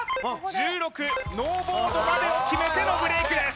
１６ノーボードまでを決めてのブレイクです